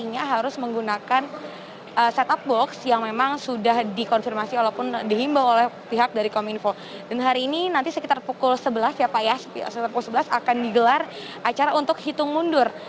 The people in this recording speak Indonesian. ya pukul sebelas akan digelar acara untuk hitung mundur